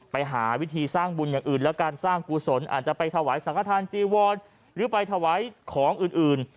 ไปหาวิธีสร้างบุญอย่างอื่นแล้วการสร้างกุศลอาจจะไปถวายสังฆฐานจีวรหรือไปถวายของอื่น